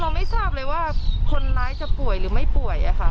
ไม่ทราบเลยว่าคนร้ายจะป่วยหรือไม่ป่วย